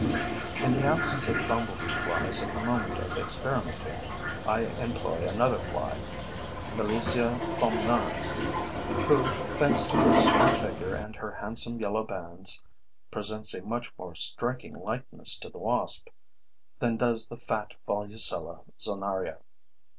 In the absence of bumblebee flies at the moment of experimenting, I employ another fly, Milesia fulminans, who, thanks to her slim figure and her handsome yellow bands, presents a much more striking likeness to the wasp than does the fat Volucella zonaria.